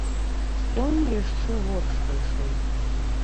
Конь яшчэ горш пайшоў.